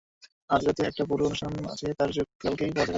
আজ রাতে একটা বড়ো অনুষ্ঠান আছে, তো সুযোগ কালকেই পাওয়া যাবে।